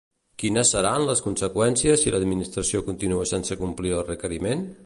Quines seran les conseqüències si l'Administració continua sense complir el requeriment?